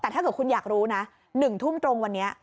แต่ถ้าเกิดคุณอยากรู้นะ๑ทุ่มตรงวันนี้